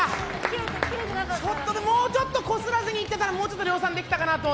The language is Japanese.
もうちょっとこすらずにいってたら、もうちょっと量産できてたかなって。